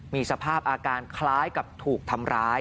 มีสภาพอาการคล้ายกับถูกทำร้าย